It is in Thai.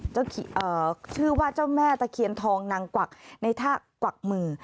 ชื่อว่าเจ้าแม่ตะเคียนทองนางกวักในท่ากวักมือ